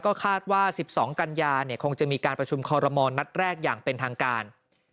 ก็คาดว่า๑๒กันยาคงจะมีการประชุมคอรมณ์นัดแรกอย่างเป็นทางการ